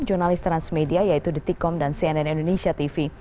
jurnalis transmedia yaitu detik com dan cnn indonesia tv